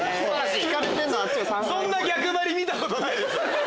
そんな逆張り見たことないです。